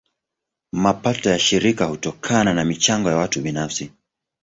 Mapato ya shirika hutokana na michango ya watu binafsi.